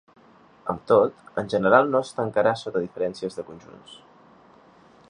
Amb tot, en general no es tancarà sota diferències de conjunts.